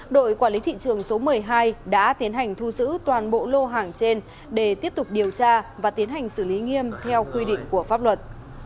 đội quản lý thị trường số một mươi hai đã tiến hành thu giữ toàn bộ lô hàng trên để tiếp tục điều tra và tiến hành xử lý nghiêm theo quy định của pháp luật